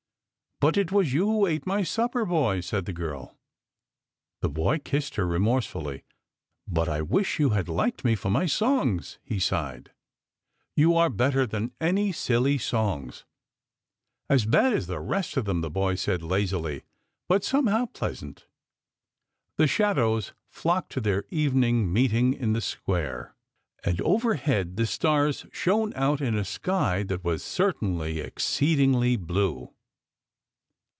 " But it was you who ate my supper, boy," said the girl. The boy kissed her remorsefully. "But I wish you had liked me for my songs," he sighed. THE POET'S ALLEGORY 215 " You are better than any silly old songs 1 "" As bad as the rest of them," the boy said lazily, " but somehow pleasant." The shadows flocked to their evening meet ing in the square, and overhead the stars shone out in a sky that was certainly exceed ingly blue.